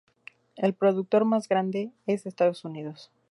El productor más grande es Estados Unidos.